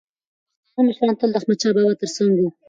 پښتانه مشران تل د احمدشاه بابا تر څنګ وو.